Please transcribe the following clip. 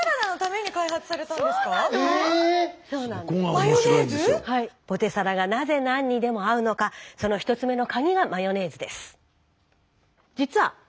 マヨネーズ⁉ポテサラがなぜ何にでも合うのかその１つ目のカギがマヨネーズです。